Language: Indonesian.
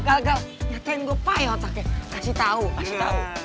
galkal galkal nyatain gua payah otaknya kasih tau kasih tau